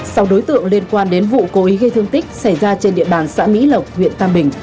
sau đối tượng liên quan đến vụ cố ý gây thương tích xảy ra trên địa bàn xã mỹ lộc huyện tam bình